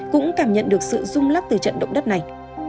cũng cảm nhận được sự rung lắc từ trận động đất này